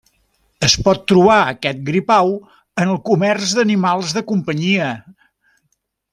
Es pot trobar aquest gripau en el comerç d'animals de companyia.